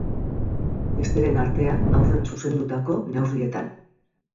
Besteren artean, haurren zuzendutako neurrietan.